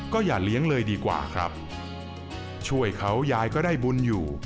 เมื่อเขายายก็ได้บุญอยู่